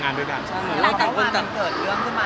หมายถึงว่าความดังของผมแล้วทำให้เพื่อนมีผลกระทบอย่างนี้หรอค่ะ